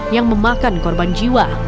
yang memakan korban jiwa